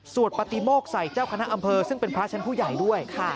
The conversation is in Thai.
ปฏิโมกใส่เจ้าคณะอำเภอซึ่งเป็นพระชั้นผู้ใหญ่ด้วย